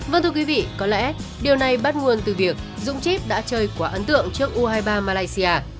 vâng thưa quý vị có lẽ điều này bắt nguồn từ việc dũng chip đã chơi quá ấn tượng trước u hai mươi ba malaysia